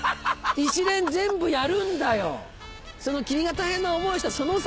一連全部やるんだよ。